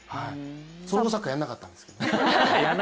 その後、サッカーやらなかったんですけどね。